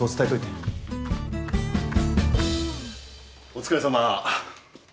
お疲れさま。